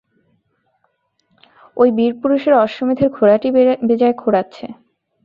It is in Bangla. ঐ বীরপুরুষের অশ্বমেধের ঘোড়াটি বেজায় খোঁড়াচ্ছে।